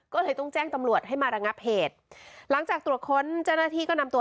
ก็เลยต้องแจ้งตำรวจให้มาระงับเหตุหลังจากตรวจค้นเจ้าหน้าที่ก็นำตัว